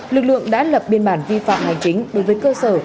lực lượng đã lập biên bản vi phạm hành chính đối với cơ sở